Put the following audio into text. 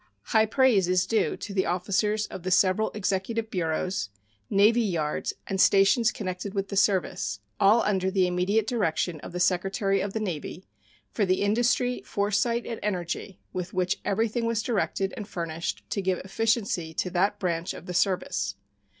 High praise is due to the officers of the several executive bureaus, navy yards, and stations connected with the service, all under the immediate direction of the Secretary of the Navy, for the industry, foresight, and energy with which everything was directed and furnished to give efficiency to that branch of the service.